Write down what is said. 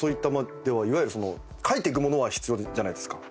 いわゆるその書いてくものは必要じゃないですか。